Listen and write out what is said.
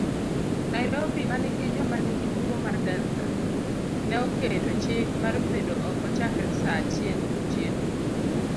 Nairobi manigi joma nigi tuo mar Delta, neoketo chik marbedo oko chakre saachiel otieno.